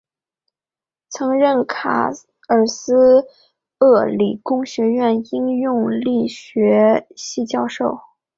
曾任卡尔斯鲁厄理工学院应用力学系教授。